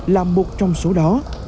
là một trong số đó